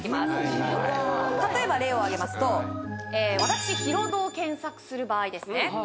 自分の名前か例えば例を挙げますと私ヒロドを検索する場合ですね